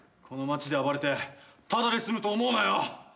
この街で暴れてただで済むと思うなよ。